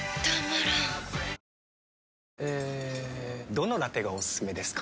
どのラテがおすすめですか？